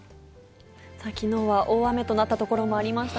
きのうは大雨となった所もありました。